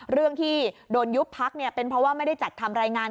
เรื่องที่โดนยุบพักเป็นเพราะว่าไม่ได้จัดทำรายงาน